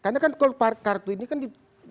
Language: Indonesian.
karena kan kalau kartu ini kan diambil